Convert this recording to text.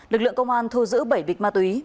lực lượng công an thu giữ bảy bịch ma túy